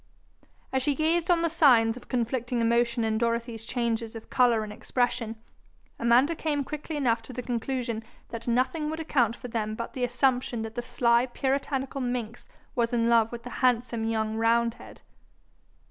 As she gazed on the signs of conflicting emotion in Dorothy's changes of colour and expression, Amanda came quickly enough to the conclusion that nothing would account for them but the assumption that the sly puritanical minx was in love with the handsome young roundhead.